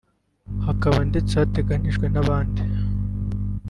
hakaba ndetse hagitegerejwe n’abandi